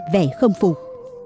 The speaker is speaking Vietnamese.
vẻ không phục